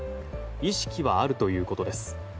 意識はあるということです。